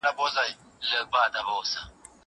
زه اوس د تکړښت لپاره ځم!!